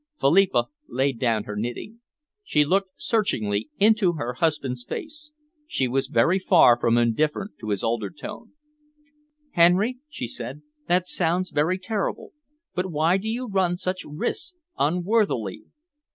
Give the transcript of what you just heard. Philippa laid down her knitting. She looked searchingly into her husband's face. She was very far from indifferent to his altered tone. "Henry," she said, "that sounds very terrible, but why do you run such risks unworthily?